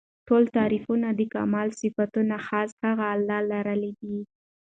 ټول تعريفونه او د کمال صفتونه خاص هغه الله لره دي